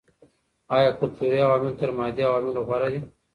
آيا کلتوري عوامل تر مادي عواملو غوره دي؟